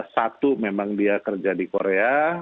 satu memang dia kerja di korea